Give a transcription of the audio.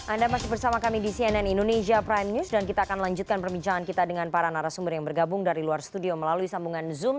anda masih bersama kami di cnn indonesia prime news dan kita akan lanjutkan perbincangan kita dengan para narasumber yang bergabung dari luar studio melalui sambungan zoom